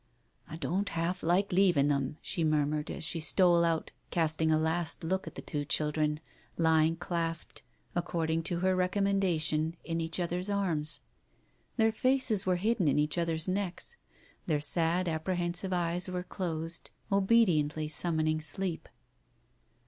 "I don't half like leaving them," she murmured, as she stole out casting a last look at the two children, lying clasped, according to her recommendation, in each other's arms. Their faces were hidden in each other's necks, their sad apprehensive eyes were closed, obedi ently summoning sleep.